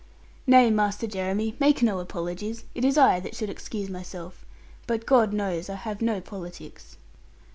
'Nay, Master Jeremy, make no apologies. It is I that should excuse myself; but, God knows, I have no politics.'